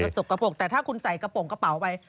สกปรกแต่ถ้าคุณใส่กระโปรงกระเป๋าไป